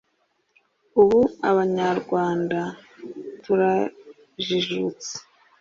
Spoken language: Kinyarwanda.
ubu abanyarwanda turajijutse,